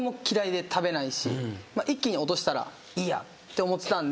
一気に落としたらいいやって思ってた。